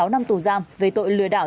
một mươi sáu năm tù giam về tội lừa đảo